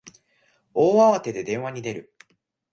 大慌てで電話に出る